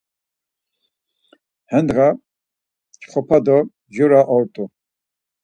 He ndğa mçxvapa do mjora ort̆u.